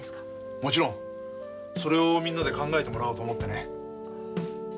もちろんそれをみんなで考えてもらおうと思ってね。